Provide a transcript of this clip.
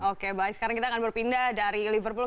oke baik sekarang kita akan berpindah dari liverpool